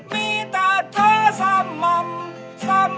มีแต่เธอสม่ำเสมอ